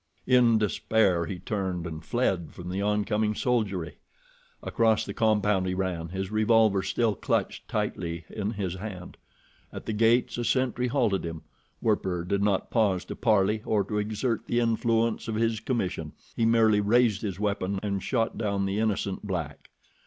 In despair, he turned and fled from the oncoming soldiery. Across the compound he ran, his revolver still clutched tightly in his hand. At the gates a sentry halted him. Werper did not pause to parley or to exert the influence of his commission—he merely raised his weapon and shot down the innocent black.